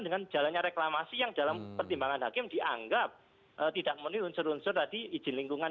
dengan jalannya reklamasi yang dalam pertimbangan hakim dianggap tidak memenuhi unsur unsur tadi izin lingkungan